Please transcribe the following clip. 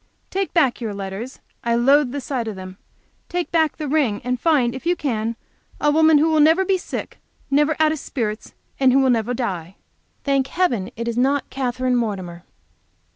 Take back your letters; loathe the sight of them. Take back the ring, and find, if you can, a woman who will never be sick, never out of spirits, and who never will die. Thank heaven it is not Katherine Mortimer.